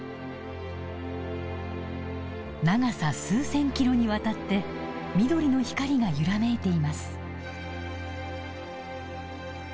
長さ数千ｋｍにわたって緑の光が揺らめいています